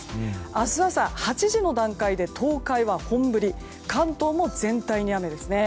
明日朝８時の段階で東海は本降り関東も全体に雨ですね。